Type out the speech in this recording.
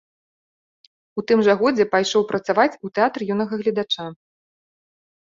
У тым жа годзе пайшоў працаваць у тэатр юнага гледача.